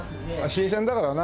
新鮮だからな。